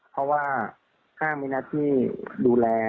เพราะว่าห้างมีหน้าที่ดูแล